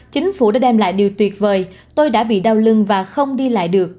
chính phủ đã đem lại điều tuyệt vời tôi đã bị đau lưng và không đi lại được